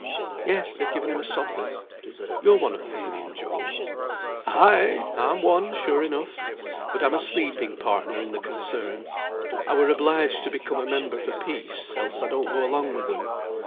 "Yes, they've given him a sovereign. You're one of th' Union, Job?" "Ay! I'm one, sure enough; but I'm but a sleeping partner in the concern. I were obliged to become a member for peace, else I don't go along with 'em.